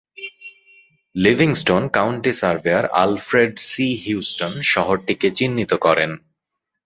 Livingstone County surveyor Alfred C. Houston শহরটিকে চিহ্নিত করেন।